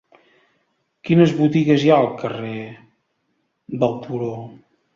Quines botigues hi ha al carrer del Turó?